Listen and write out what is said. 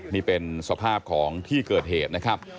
นี่เป็นสภาพของที่เกิดเหตุนะครับ